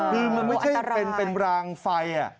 คือมันไม่ใช่เป็นรางไฟ